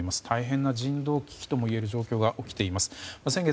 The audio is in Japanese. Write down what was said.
大変な人道危機ともいえる状況が起きています。